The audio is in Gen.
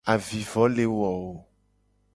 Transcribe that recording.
Avivo le wo.